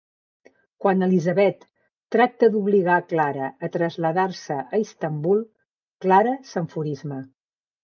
Quan Elisabet |tracta d'obligar a Clara a traslladar-se a Istanbul, Clara s'enfurisma.